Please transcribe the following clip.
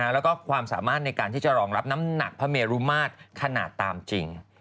แล้วก็ความสามารถในการที่จะรองรับน้ำหนักพระเมรุมาตรขนาดตามจริง